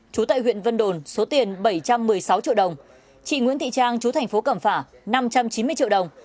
chú tại huyện vân đồn số tiền bảy trăm một mươi sáu triệu đồng chị nguyễn thị trang chú thành phố cẩm phả năm trăm chín mươi triệu đồng